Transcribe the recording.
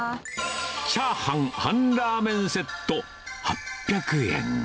チャーハン・半ラーメンセット８００円。